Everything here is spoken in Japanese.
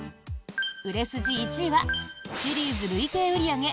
売れ筋１位はシリーズ累計売り上げ